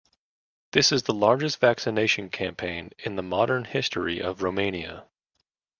This is the largest vaccination campaign in the modern history of Romania.